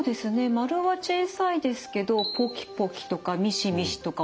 丸は小さいですけど「ポキポキ」とか「ミシミシ」とか「音が鳴る」